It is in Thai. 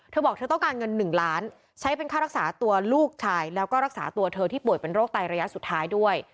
เธอบอกเธอต้องการเงิน๑ล้านใช้เป็นค่ารักษาตัวลูกชายแล้วก็รักษาตัวเธอที่ป่วยเป็นโรคไตระยะสุดท้ายด้วย